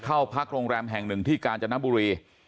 เข้าพักโรงแรมแห่งหนึ่งที่กาญจนบุรี